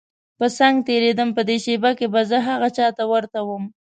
په څنګ تېرېدم په دې شېبه کې به زه هغه چا ته ورته وم.